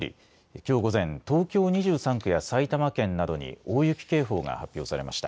きょう午前、東京２３区や埼玉県などに大雪警報が発表されました。